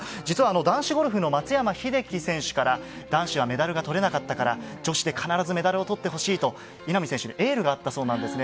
男子ゴルフの松山英樹選手から男子はメダルが取れなかったから女子で必ずメダルを取ってほしいと稲見選手へエールがあったということです。